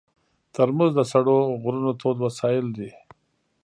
ترموز د سړو غرونو تود وسایل دي.